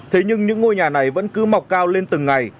thế nhưng những ngôi nhà này vẫn cứ mọc cao lên từng ngày